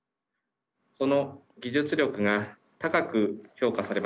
その技術力が高く評価されました。